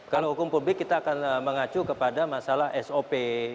kalau hukum publik kita akan mengacu kepada masalah sop